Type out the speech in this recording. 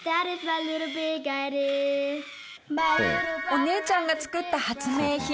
お姉ちゃんが作った発明品